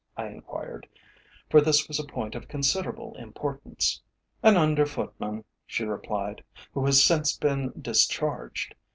I enquired, for this was a point of considerable importance. "An under footman," she replied, "who has since been discharged.